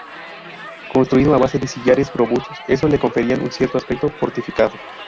Construido a base de sillares robustos, estos le conferían un cierto aspecto fortificado.